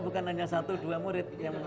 bukan hanya satu dua murid